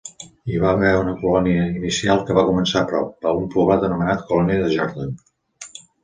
Hi va haver una colònia inicial que va començar a prop, a un poblat anomenat "colònia de Jordan".